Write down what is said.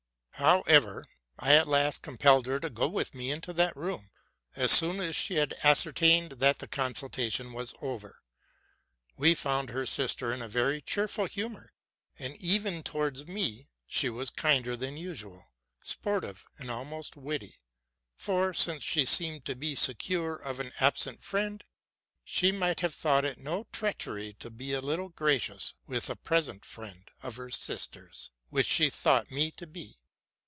However, I at last compelled her to go with me into that room, as soon as she had ascertained that the consultation was over. We found her sister in a very cheerful humor: and even towards me she was kinder than usual, sportive, and almost witty ; for, since she seemed to be secure of an absent friend, she may have thought it no treachery to be a little gracious with a present friend of her sister's, which she thought me to be.